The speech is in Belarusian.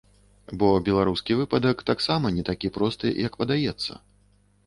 Бо беларускі выпадак таксама не такі просты, як падаецца.